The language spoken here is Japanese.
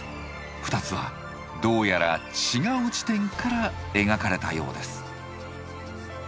２つはどうやら違う地点から描かれたようです。